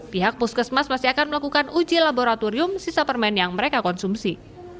pihak puskesmas masih akan melakukan uji laboratorium sisa permen yang mereka konsumsi